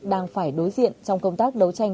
đang phải đối diện trong công tác đấu tranh